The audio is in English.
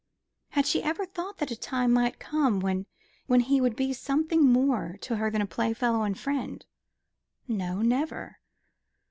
Had she ever thought that a time might come when he would be something more to her than playfellow and friend? No, never.